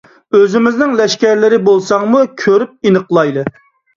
ئۆزىمىزنىڭ لەشكەرلىرى بولساڭمۇ، كۆرۈپ ئېنىقلايلى.